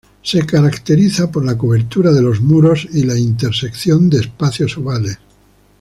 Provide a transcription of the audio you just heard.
Se caracteriza por la curvatura de los muros y la intersección de espacios ovales.